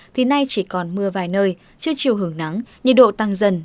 thì nay chỉ còn mưa vài nơi chưa chiều hưởng nắng nhiệt độ tăng dần